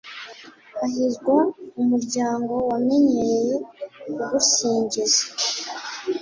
Hahirwa umuryango wamenyereye kugusingiza